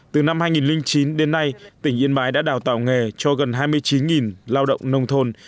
từ năm hai nghìn chín đến nay tỉnh yên bái đã đào tạo nghề cho gần hai mươi chín lao động nông thôn